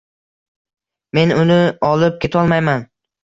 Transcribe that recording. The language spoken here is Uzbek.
Men uni olib ketolmayman.